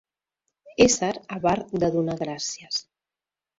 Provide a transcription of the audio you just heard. Ésser avar de donar gràcies.